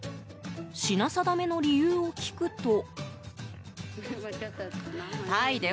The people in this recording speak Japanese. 品定めの理由を聞くと。